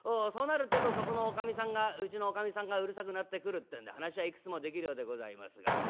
そうなるってえとそこのおかみさんがうちのおかみさんがうるさくなってくるってんで噺はいくつも出来るようでございますが。